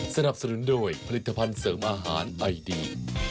สนับสนุนโดยผลิตภัณฑ์เสริมอาหารไอดี